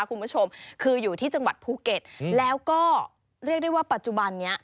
คุณผู้ชมคืออยู่ที่จังหวัดภูเก็ตแล้วก็เรียกได้ว่าปัจจุบันนี้